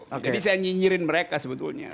jadi saya nyinyirin mereka sebetulnya